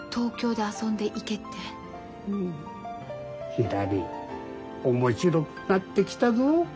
ひらり面白くなってきたぞ。